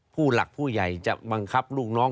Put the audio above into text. ผู้หลักผู้ใหญ่จะบังคับลูกน้อง